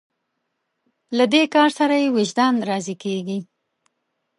له دې کار سره یې وجدان راضي کېږي.